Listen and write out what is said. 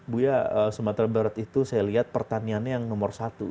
buya sumatera barat itu saya lihat pertaniannya yang nomor satu